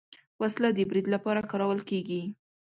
وسله د برید لپاره کارول کېږي